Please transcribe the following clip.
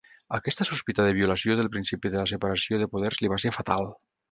Aquesta sospita de violació del principi de la separació de poders li va ser fatal.